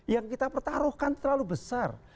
yang kita pertaruhkan terlalu besar